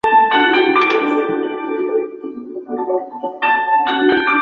提防